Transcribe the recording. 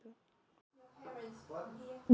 cảm ơn các bạn đã theo dõi